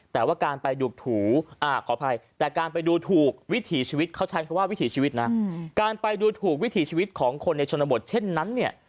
แต่ว่าการไปดูถูกไว้วิถีชีวิตของคนในชนบทเท่นนั้นเนี่ย